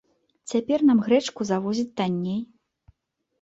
Цяпер нам грэчку завозяць танней.